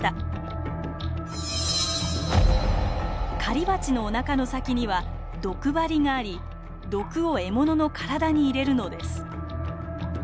狩りバチのおなかの先には毒針があり毒を獲物の体に入れるのです。